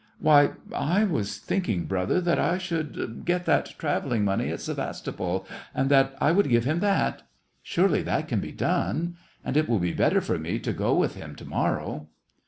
" Why, I was thinking, brother, that I should get that travelling money at Sevastopol, and that I would give him that. Surely, that can be done ; and it will be better for me to go with him to mor row."